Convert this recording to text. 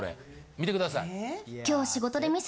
見てください。